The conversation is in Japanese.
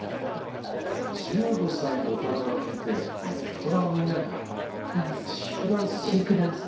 １５歳の歌声を聴いて大人のみんながチークダンスを。